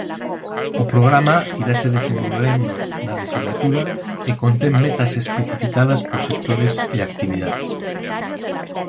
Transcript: O programa irase desenvolvendo na lexislatura e contén metas especificadas por sectores e actividades.